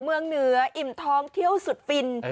เมืองเหนืออิ่มท้องเที่ยวสุดฟิน